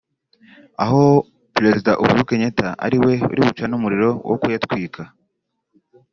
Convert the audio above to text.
aho Perezida Uhuru Kenyatta ari we uri bucane umuriro wo kuyatwika